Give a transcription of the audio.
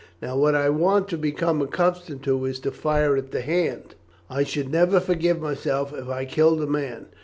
Now what I want to become accustomed to is to fire at the hand. I should never forgive myself if I killed a man.